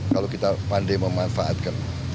kalau kita pandai memanfaatkan